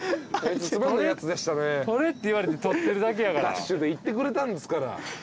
ダッシュで行ってくれたんですから。